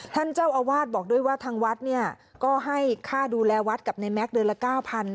ท่านเจ้าอาวาสบอกด้วยว่าทางวัดเนี่ยก็ให้ค่าดูแลวัดกับในแม็กซ์เดือนละ๙๐๐